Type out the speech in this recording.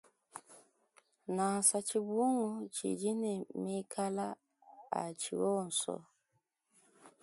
Nansa tshibungu tshidi ne mekala a tshi onso.